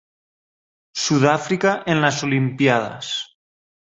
Sudáfrica en las Olimpíadas